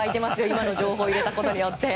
今の情報を入れたことによって。